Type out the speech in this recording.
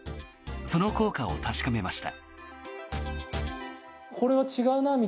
その効果を確かめました。